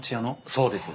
そうです。